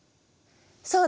そうだ！